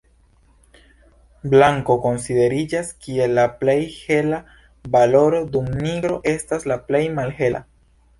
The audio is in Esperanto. Blanko konsideriĝas, kiel la plej hela valoro, dum nigro estas la plej malhela.